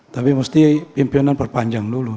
tapi mesti pimpinan perpanjang dulu